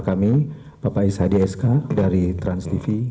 kami bapak isha d s k dari trans tv